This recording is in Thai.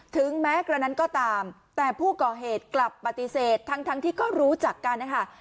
ถึงแม้กระนั้นก็ตามแต่ผู้ก่อเหตุกลับปฏิเสธทั้งที่ก็รู้จักกันนะคะ